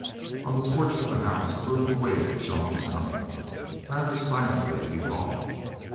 On the porch of the house a group awaited Jean's coming, rather silently, he thought.